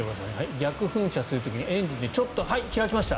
逆噴射する時にエンジンにちょっとはい、開きました。